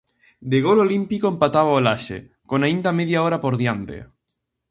De gol olímpico empataba o Laxe, con aínda media hora por diante.